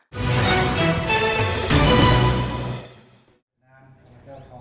trong khuôn khổ